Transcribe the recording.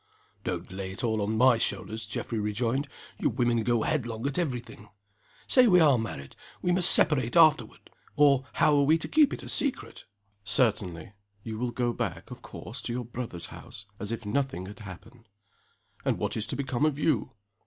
_" "Don't lay it all on my shoulders," Geoffrey rejoined. "You women go headlong at every thing. Say we are married. We must separate afterward or how are we to keep it a secret?" "Certainly. You will go back, of course, to your brother's house, as if nothing had happened." "And what is to become of _you?